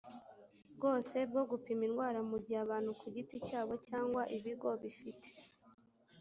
bwose bwo gupima indwara mu gihe abantu ku giti cyabo cyangwa ibigo bifite